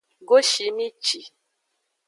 Goshimici.